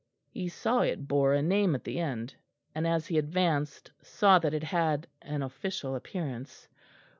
He saw it bore a name at the end, and as he advanced saw that it had an official appearance.